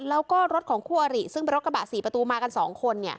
แล้วก็รถของคู่อริซึ่งเป็นรถกระบะ๔ประตูมากัน๒คน